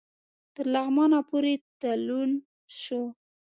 تر لغمانه پوري تلون سو